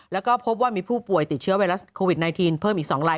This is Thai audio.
แล้วก็พบว่ามีผู้ป่วยติดเชื้อไวรัสโควิด๑๙เพิ่มอีก๒ราย